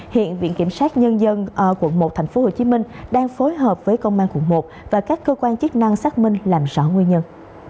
hiện viện kiểm sát nhân dân quận một tp hcm đang phối hợp với công an quận một và các cơ quan chức năng xác minh làm rõ nguyên nhân